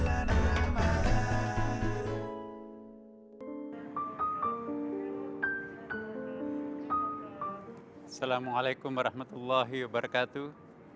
assalamualaikum warahmatullahi wabarakatuh